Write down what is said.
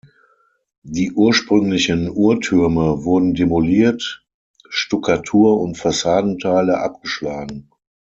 Die ursprünglichen Uhrtürme wurden demoliert, Stuckatur und Fassadenteile abgeschlagen.